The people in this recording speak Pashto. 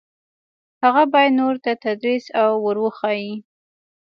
هغه باید نورو ته تدریس او ور وښيي.